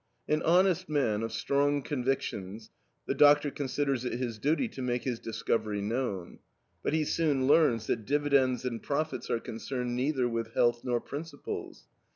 An honest man, of strong convictions, the doctor considers it his duty to make his discovery known. But he soon learns that dividends and profits are concerned neither with health nor principles.